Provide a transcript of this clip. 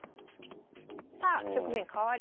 さあ局面変わりました。